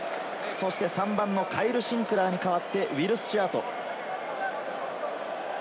そして３番のカイル・シンクラーに代わってウィル・スチュアート。